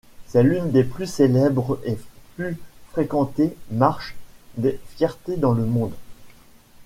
C'est l'une des plus célèbres et plus fréquentées marches des fiertés dans le monde.